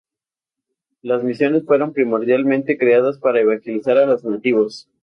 Las misiones fueron primordialmente creadas para evangelizar a los nativos.